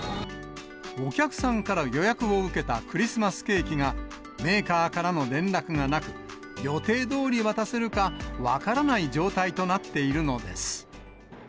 お客さんから予約を受けたクリスマスケーキが、メーカーからの連絡がなく、予定どおり渡せるか、分からない状態となっているのです。